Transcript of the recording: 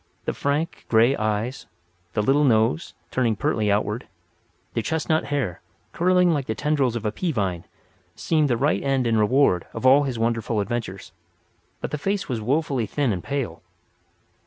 The frank, grey eyes, the little nose, turning pertly outward; the chestnut hair, curling like the tendrils of a pea vine, seemed the right end and reward of all his wonderful adventures. But the face was wofully thin and pale.